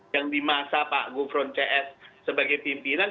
yang di masa pak gufron cs sebagai pimpinan